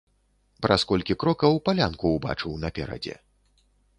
Праз колькі крокаў палянку ўбачыў наперадзе.